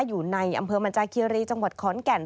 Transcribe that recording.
อยู่ในอำเภอมันจาคีรีจังหวัดขอนแก่น